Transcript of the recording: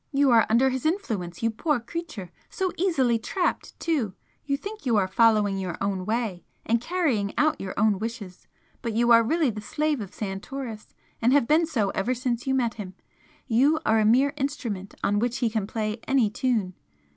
You are under his influence, you poor creature! so easily trapped, too! you think you are following your own way and carrying out your own wishes, but you are really the slave of Santoris and have been so ever since you met him. You are a mere instrument on which he can play any tune."